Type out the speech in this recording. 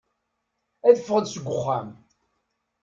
Ad ffɣen seg uxxam.